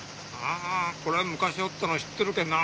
ああこれ昔おったの知っとるけどなあ。